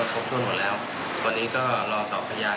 ครบถ้วนหมดแล้ววันนี้ก็รอสอบพยาน